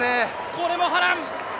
これも波乱。